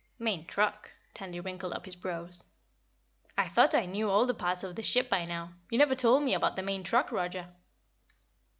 "Main truck?" Tandy wrinkled up his brows. "I thought I knew all the parts of this ship by now. You never told me about the main truck, Roger."